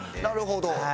なるほど。